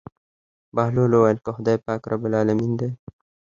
بهلول وويل که خداى پاک رب العلمين دى.